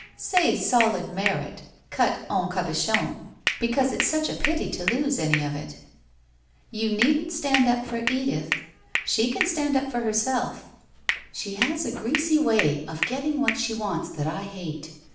'Say solid merit, cut en cahochon, because it's such a pity to lose any of it !'' You needn't stand up for Edith! She can stand up 70 WHITE ROSE OF WEARY LEAF for herself. She lias a greasy way of getting what she wants that I hate.